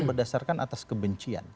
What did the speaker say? berdasarkan atas kebencian